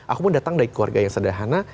aku mau datang dari keluarga yang sederhana